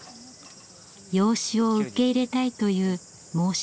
養子を受け入れたいという申し出でした。